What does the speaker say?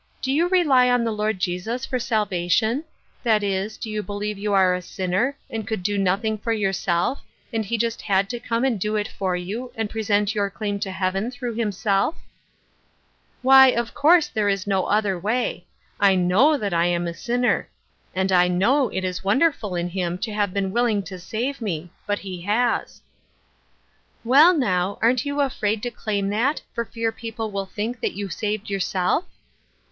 " Do you rely on the Lord Jesus for salvation ? That is, do you believe you are a sinner, and could do nothing for yourself, and he just had to come and do it for you, and present your claim to Heaven through himself ?"" Why, of course there is no other way. I know that I am a sinner ; and I know it is won derful in him to have been willing to save me ; but he has." " Well, now, aren't you afraid to claim that, for fear people will think that you saved your self?"